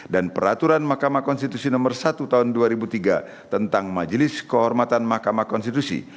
dan peraturan mahkamah konstitusi no satu tahun dua ribu tiga tentang majelis kehormatan mahkamah konstitusi